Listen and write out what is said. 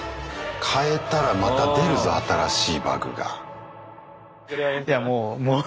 変えたらまた出るぞ新しいバグが。